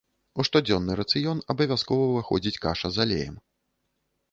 У штодзённы рацыён абавязкова ўваходзіць каша з алеем.